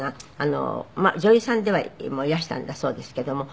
女優さんではいらしたんだそうですけども。